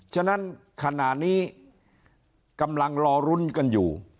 ฉะนั้นขณะนี้กำลังรอรุ้นกันอยู่